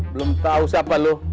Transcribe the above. belum tau siapa lo